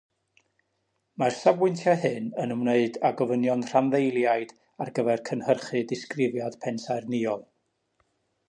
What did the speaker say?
Mae'r safbwyntiau hyn yn ymwneud â gofynion rhanddeiliaid ar gyfer cynhyrchu Disgrifiad Pensaernïol.